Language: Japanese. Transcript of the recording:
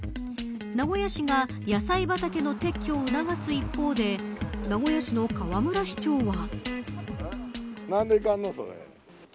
名古屋市が野菜畑の撤去を促す一方で名古屋市の河村市長は。